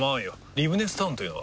リブネスタウンというのは？